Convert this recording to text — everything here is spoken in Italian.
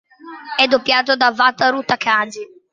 È doppiato da Wataru Takagi.